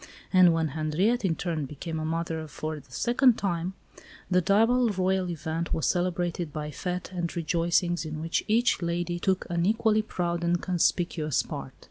And when Henriette, in turn, became a mother for the second time, the double Royal event was celebrated by fêtes and rejoicings in which each lady took an equally proud and conspicuous part.